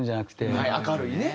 はい明るいね。